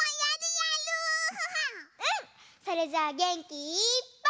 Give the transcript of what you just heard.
それじゃあげんきいっぱい。